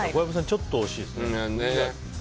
ちょっと惜しいですね。